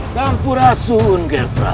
syampurasuhun ger prabu